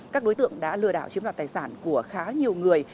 các đối tượng đã lừa đảo chiếm đoạt tài sản của khá nhiều người